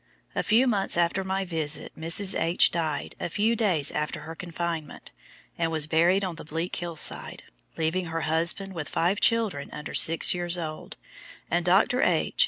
A few months after my visit Mrs. H. died a few days after her confinement, and was buried on the bleak hill side, leaving her husband with five children under six years old, and Dr. H.